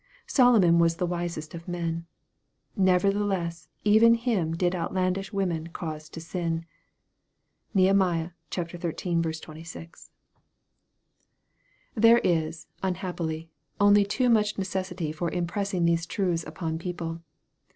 Solo non was the wisest of men. " Nevertheless even him Jid outlandish women cause to sin." (Neh. xiii. 26.) 200 EXPOSITORY THOUGHTS. There is, unhappily, only too much necessity for im pressing these truths upon people.